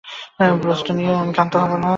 ব্রোচটা না পেয়ে আমি ক্ষান্ত হব না!